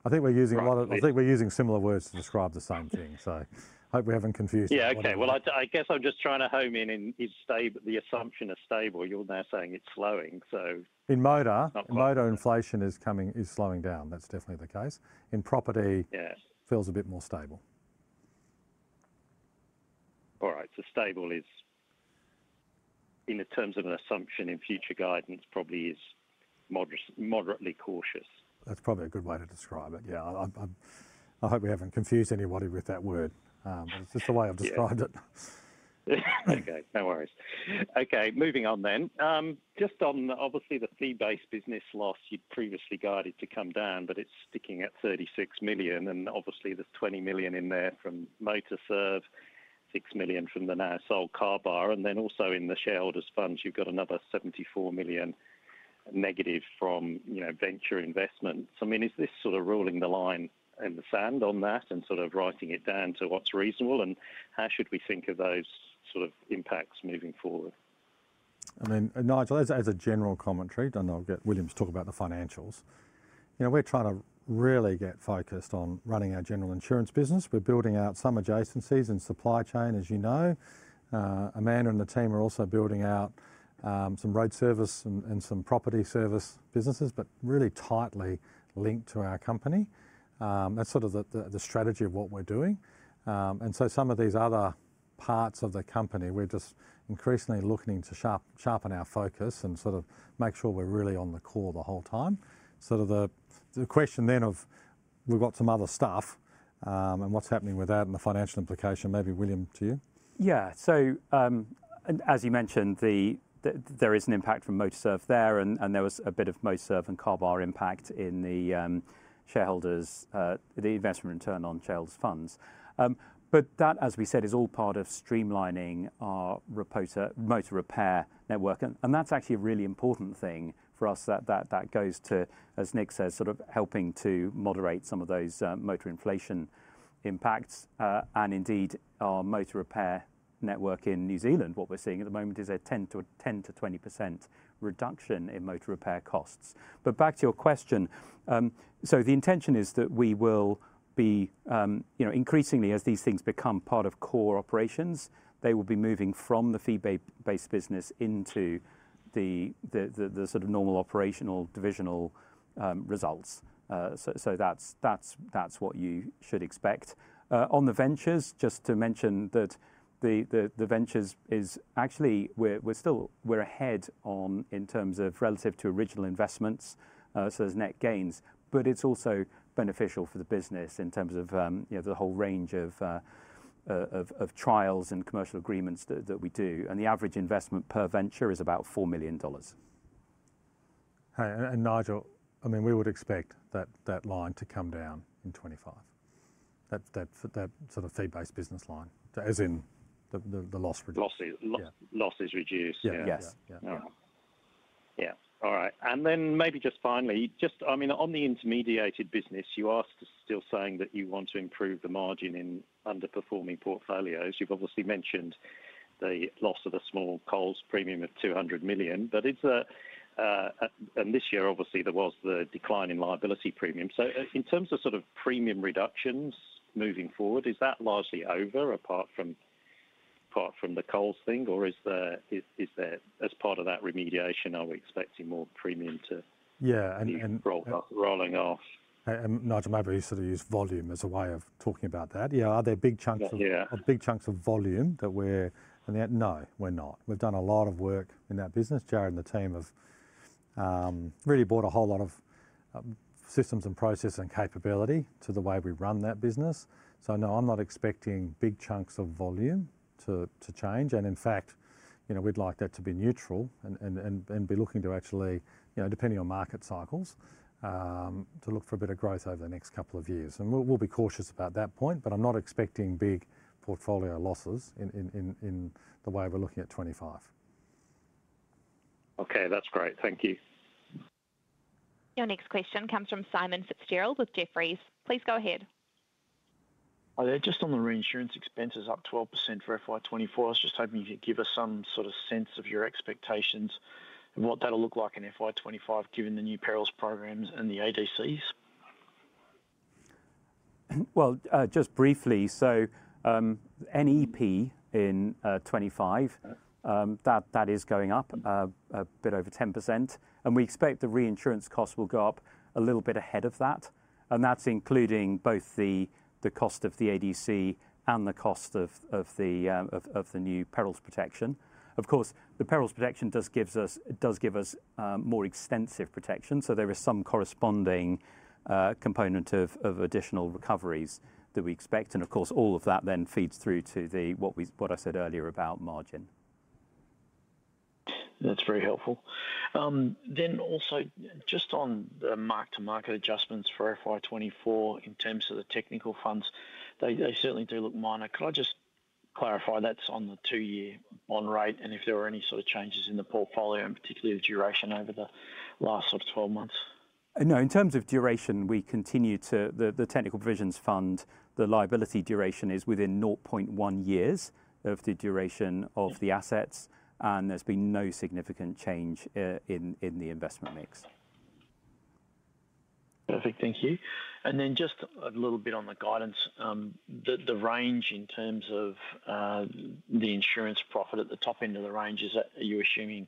I think we're using a lot of- Right. I think we're using similar words to describe the same thing. So hope we haven't confused anybody. Yeah, okay. Well, I guess I'm just trying to home in, is stable, the assumption of stable, you're now saying it's slowing, so- In motor- Not slowing... motor inflation is coming, is slowing down. That's definitely the case. In property- Yeah... feels a bit more stable. All right, so stable is, in the terms of an assumption in future guidance, probably moderately cautious. That's probably a good way to describe it. Yeah. I hope we haven't confused anybody with that word. It's just the way I've described it. Okay, no worries. Okay, moving on then. Just on obviously the fee-based business loss you'd previously guided to come down, but it's sticking at 36 million, and obviously there's 20 million in there from Motorserve, 6 million from the now sold Carbar, and then also in the shareholders funds, you've got another 74 million negative from, you know, venture investments. I mean, is this sort of ruling the line in the sand on that and sort of writing it down to what's reasonable, and how should we think of those sort of impacts moving forward? I mean, Nigel, as a general commentary, then I'll get William to talk about the financials. You know, we're trying to really get focused on running our general insurance business. We're building out some adjacencies and supply chain, as you know. Amanda and the team are also building out some road service and some property service businesses, but really tightly linked to our company. That's sort of the strategy of what we're doing. And so some of these other parts of the company, we're just increasingly looking to sharpen our focus and sort of make sure we're really on the core the whole time. Sort of the question then of we've got some other stuff, and what's happening with that and the financial implication. Maybe William, to you? Yeah. So, and as you mentioned, there is an impact from Motorserve there, and there was a bit of Motorserve and Carbar impact in the shareholders', the investment return on shareholders' funds. But that, as we said, is all part of streamlining our repair motor repair network, and that's actually a really important thing for us that goes to, as Nick says, sort of helping to moderate some of those, motor inflation impacts. And indeed, our motor repair network in New Zealand, what we're seeing at the moment is a 10%-20% reduction in motor repair costs. But back to your question, so the intention is that we will be, you know, increasingly, as these things become part of core operations, they will be moving from the fee-based business into the sort of normal operational divisional results. So that's what you should expect. On the ventures, just to mention that the ventures is actually we're still ahead on in terms of relative to original investments, so there's net gains, but it's also beneficial for the business in terms of, you know, the whole range of trials and commercial agreements that we do, and the average investment per venture is about 4 million dollars. Hey, and Nigel, I mean, we would expect that line to come down in 2025. That sort of fee-based business line, as in the loss reduction. Losses- Yeah. Loss is reduced. Yeah. Yes. Yeah. All right. Yeah, all right, and then maybe just finally, just, I mean, on the intermediated business, you are still saying that you want to improve the margin in underperforming portfolios. You've obviously mentioned the loss of a small Coles premium of 200 million, but it's, and this year, obviously, there was the decline in liability premium. So in terms of sort of premium reductions moving forward, is that largely over, apart from the Coles thing, or is there, as part of that remediation, are we expecting more premium to- Yeah, and- ROLLiN', rolling off? And Nigel, maybe you sort of use volume as a way of talking about that. Yeah, are there big chunks of- Yeah... big chunks of volume that we're, I mean, no, we're not. We've done a lot of work in that business. Jared and the team have really brought a whole lot of systems and processes and capability to the way we run that business. So no, I'm not expecting big chunks of volume to change, and in fact, you know, we'd like that to be neutral and be looking to actually, you know, depending on market cycles, to look for a bit of growth over the next couple of years. And we'll be cautious about that point, but I'm not expecting big portfolio losses in the way we're looking at 2025. Okay, that's great. Thank you. Your next question comes from Simon Fitzgerald with Jefferies. Please go ahead. Hi there. Just on the reinsurance expenses up 12% for FY 2024, I was just hoping you could give us some sort of sense of your expectations and what that'll look like in FY 2025, given the new perils programs and the ADCs? Just briefly. So, NEP in 2025, that is going up a bit over 10%, and we expect the reinsurance cost will go up a little bit ahead of that, and that's including both the cost of the ADC and the cost of the new perils protection. Of course, the perils protection does give us more extensive protection, so there is some corresponding component of additional recoveries that we expect, and of course, all of that then feeds through to what I said earlier about margin. That's very helpful. Then also just on the mark-to-market adjustments for FY 2024, in terms of the technical funds, they certainly do look minor. Could I clarify that's on the two-year on rate, and if there were any sort of changes in the portfolio, and particularly the duration over the last sort of 12 months? No, in terms of duration, we continue to the technical provisions fund, the liability duration is within naught point one years of the duration of the assets, and there's been no significant change in the investment mix. Perfect. Thank you. And then just a little bit on the guidance. The range in terms of the insurance profit at the top end of the range, is that, are you assuming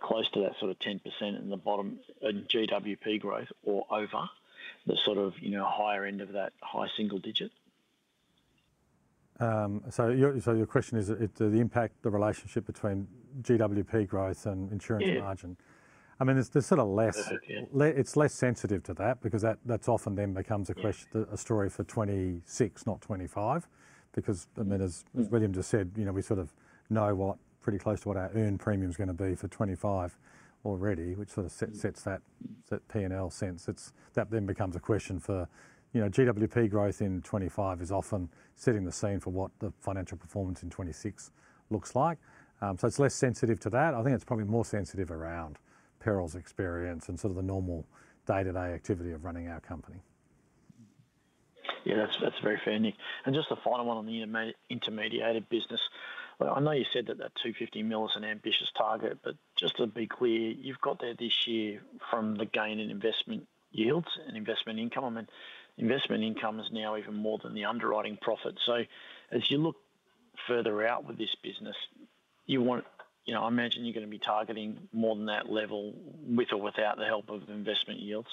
close to that sort of 10% in the bottom, GWP growth or over the sort of, you know, higher end of that high single digit? So your question is, is the impact the relationship between GWP growth and insurance margin? Yeah. I mean, it's, they're sort of less- Yeah. It's less sensitive to that because that's often then becomes a quest- Yeah... a story for 2026, not 2025. Because, I mean, as William just said, you know, we sort of know pretty close to what our earned premium's gonna be for 2025 already, which sort of sets that P&L sense. It’s that then becomes a question for, you know, GWP growth in 2025 is often setting the scene for what the financial performance in 2026 looks like. So it's less sensitive to that. I think it's probably more sensitive around perils experience and sort of the normal day-to-day activity of running our company. Yeah, that's very fair, Nick. Just a final one on the intermediated business. I know you said that 250 million is an ambitious target, but just to be clear, you've got there this year from the gain in investment yields and investment income, and investment income is now even more than the underwriting profit. As you look further out with this business, you want, you know, I imagine you're gonna be targeting more than that level, with or without the help of investment yields.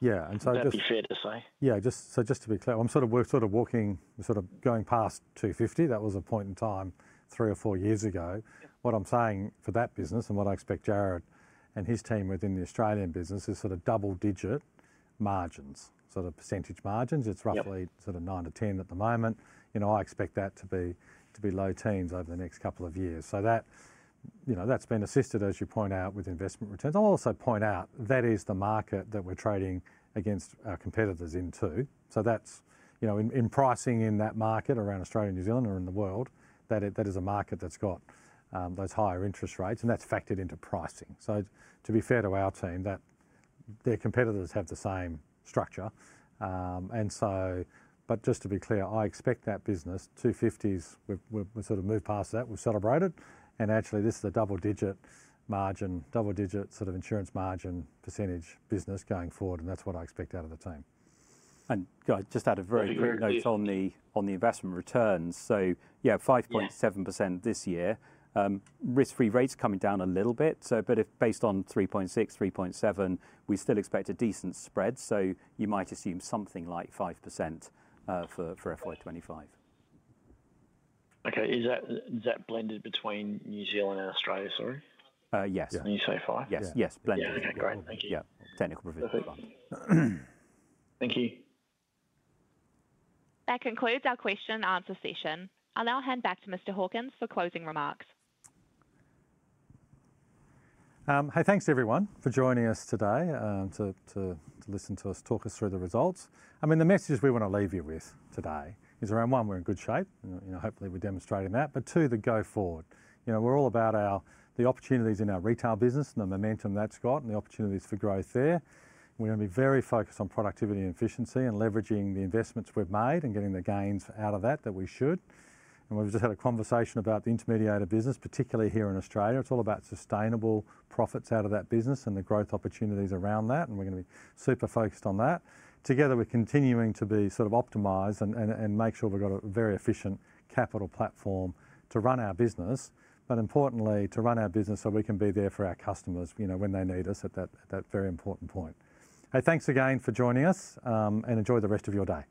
Yeah, and so just- Would that be fair to say? Yeah, just, so just to be clear, I'm sort of, we're sort of walking, sort of going past 250. That was a point in time three or four years ago. Yeah. What I'm saying for that business, and what I expect Jared and his team within the Australian business, is sort of double digit margins, sort of percentage margins. Yep. It's roughly sort of 9%-10% at the moment. You know, I expect that to be low teens over the next couple of years. So that, you know, that's been assisted, as you point out, with investment returns. I'll also point out, that is the market that we're trading against our competitors into. So that's, you know, in pricing in that market around Australia and New Zealand or in the world, that is a market that's got those higher interest rates, and that's factored into pricing. So to be fair to our team, that their competitors have the same structure. And so... But just to be clear, I expect that business, 250s, we've sort of moved past that, we've celebrated, and actually this is a double-digit margin, double-digit sort of insurance margin percentage business going forward, and that's what I expect out of the team. And can I just add a very quick note on the investment returns? So yeah, 5.7% this year. Yeah. The risk-free rate's coming down a little bit, so, but if based on 3.6, 3.7, we still expect a decent spread, so you might assume something like 5% for FY 2025. Okay. Is that, is that blended between New Zealand and Australia, sorry? Uh, yes. Yeah. You say five? Yes. Yes, blended. Yeah. Okay, great. Thank you. Yeah. Technical provision. Thank you. That concludes our question and answer session. I'll now hand back to Mr. Hawkins for closing remarks. Hey, thanks everyone for joining us today to listen to us talk us through the results. I mean, the message we want to leave you with today is around one, we're in good shape, and you know, hopefully we're demonstrating that, but two, the go forward. You know, we're all about our the opportunities in our retail business and the momentum that's got and the opportunities for growth there. We're gonna be very focused on productivity and efficiency and leveraging the investments we've made and getting the gains out of that that we should. We've just had a conversation about the intermediated business, particularly here in Australia. It's all about sustainable profits out of that business and the growth opportunities around that, and we're gonna be super focused on that. Together, we're continuing to be sort of optimized and make sure we've got a very efficient capital platform to run our business, but importantly, to run our business so we can be there for our customers, you know, when they need us at that very important point. Hey, thanks again for joining us, and enjoy the rest of your day.